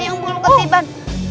yang belum ketiban